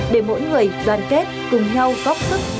để mỗi người đoàn kết cùng nhau góp sức